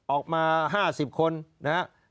ออกมา๕๐คนนะฮะ